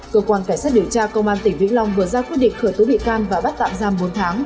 cơ quan cảnh sát điều tra công an tp hcm vừa ra quyết định khởi tố bị can và bắt tạm giam bốn tháng